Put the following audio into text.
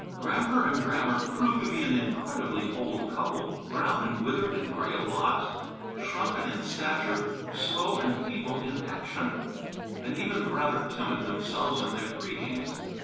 "Gramper" and "Grammer" proved to be an incredibly old couple, brown and withered and gray of locks, shrunken in stature, slow and feeble in action, and even rather timid themselves in their greetings.